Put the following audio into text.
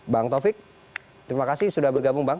bang taufik terima kasih sudah bergabung bang